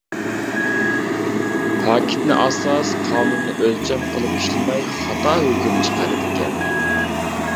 پاكىتنى ئاساس، قانۇننى ئۆلچەم قىلىپ ئىشلىمەي خاتا ھۆكۈم چىقىرىدىكەن.